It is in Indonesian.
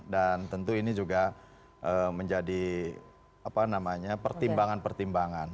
dan tentu ini juga menjadi pertimbangan pertimbangan